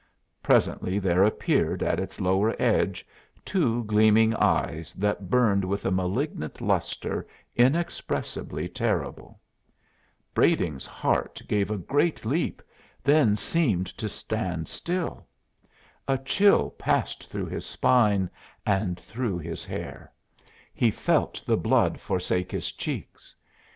Presently there appeared at its lower edge two gleaming eyes that burned with a malignant lustre inexpressibly terrible! Brading's heart gave a great jump, then seemed to stand still. A chill passed along his spine and through his hair; he felt the blood forsake his cheeks.